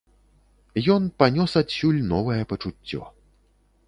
Ён панёс адсюль новае пачуццё.